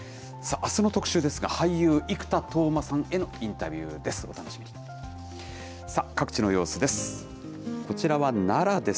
あすの特集ですが、俳優、生田斗真さんへのインタビューです。